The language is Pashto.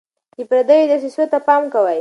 د پردیو دسیسو ته پام کوئ.